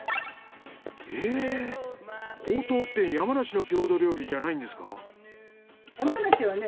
えっほうとうって山梨の郷土料理じゃないんですか？